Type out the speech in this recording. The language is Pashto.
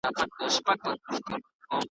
ناخبره له خزانه نڅېدلای .